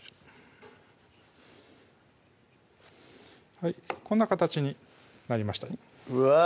はいこんな形になりましたうわ